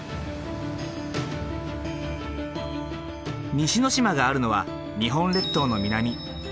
西之島があるのは日本列島の南。